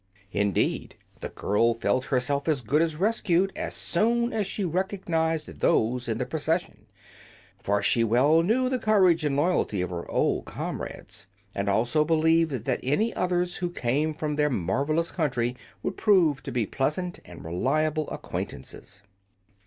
Indeed, the girl felt herself as good as rescued as soon as she recognized those in the procession, for she well knew the courage and loyalty of her old comrades, and also believed that any others who came from their marvelous country would prove to be pleasant and reliable acquaintances.